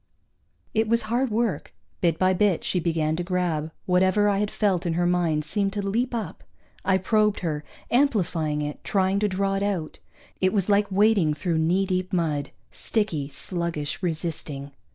It was hard work. Bit by bit she began to grab; whatever I had felt in her mind seemed to leap up. I probed her, amplifying it, trying to draw it out. It was like wading through knee deep mud sticky, sluggish, resisting.